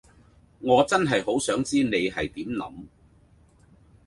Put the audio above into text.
我真係好想知你係點諗